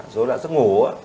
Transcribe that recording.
rối loạn giấc ngủ